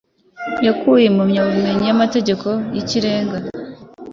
yakuye impamyabumenyi y'ikirenga mu by'amateka